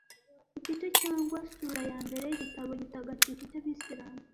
igice cyangwa sura ya mbere y’igitabo gitagatifu cy’Abisilamu,